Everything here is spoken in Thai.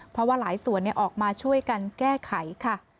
เพราะว่าหลายส่วนออกมาช่วยกันแก้ไขค่ะ